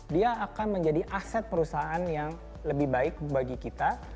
dia akan menjadi aset perusahaan yang lebih baik bagi kita